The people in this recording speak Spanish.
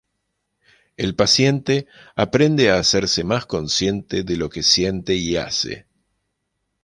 El paciente aprende a hacerse más consciente de lo que siente y hace.